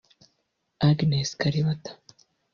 Agnes Kalibata